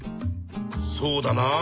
そうだなあ。